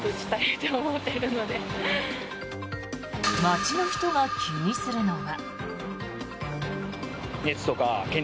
街の人が気にするのは。